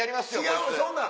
違うそんな。